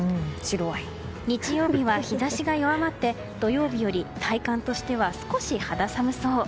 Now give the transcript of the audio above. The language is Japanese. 日曜日は日差しが弱まって土曜日より体感としては少し肌寒そう。